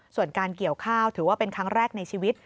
ส่วนการเกี่ยวข้าวถือว่าเป็นครั้งแรกในชีวิต